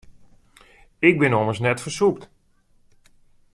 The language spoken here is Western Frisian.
Ik bin ommers net fersûpt.